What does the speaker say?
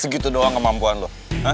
segitu doang kemampuan lo